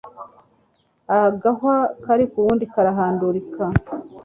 agahwa kari k'uwundi karahandurika